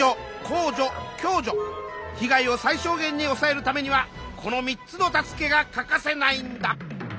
ひ害を最小限におさえるためにはこの３つの助けが欠かせないんだ。